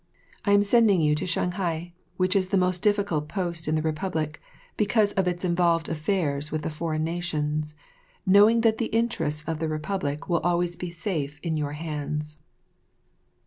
I am sending you to Shanghai, which is the most difficult post in the Republic because of its involved affairs with the foreign nations, knowing that the interests of the Republic will be always safe in your hands."